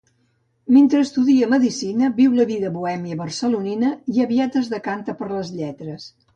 Mentre estudia medicina, viu la vida bohèmia barcelonina i aviat es decanta per les lletres.